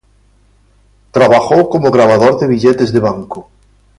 Trabajó como grabador de billetes de banco.